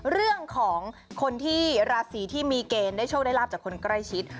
เรื่องของคนที่ราศีที่มีเกณฑ์ได้โชคได้ลาบจากคนใกล้ชิด